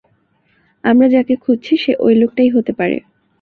আমরা যাকে খুঁজছি সে ওই লোকটাই হতে পারে।